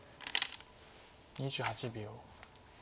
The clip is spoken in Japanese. ２８秒。